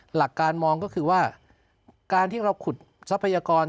หลักการมองก็คือว่าการที่เราขุดทรัพยากร